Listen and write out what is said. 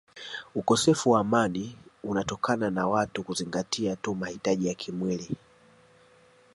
Ukosefu wa amani unatokana na watu kuzingatia tu mahitaji ya kimwili